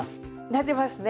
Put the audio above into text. なってますね。